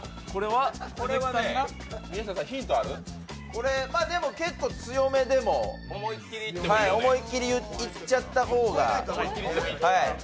これでも、結構強めでも思いっきりいっちゃったほうが。